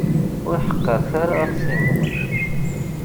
Ur ḥeqqṛet ara axṣim-nwen.